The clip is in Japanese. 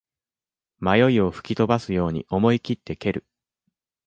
迷いを吹き飛ばすように思いきって蹴る